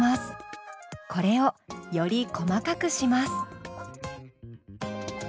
これをより細かくします。